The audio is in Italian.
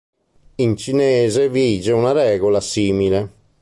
In cinese vige una regola simile.